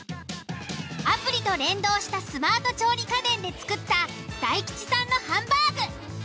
アプリと連動したスマート調理家電で作った大吉さんのハンバーグ。